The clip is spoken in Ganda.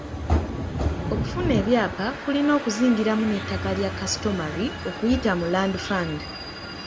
Okufuna ebyapa kulina okuzingiramu n’ettaka lya customary okuyita mu land fund.